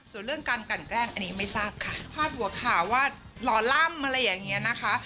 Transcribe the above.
ส่วนเรื่องการกันแกล้งอันนี้ไม่ทราบค่ะพาดหัวข่าวว่าหล่อล่ำอะไรอย่างเงี้ยนะคะ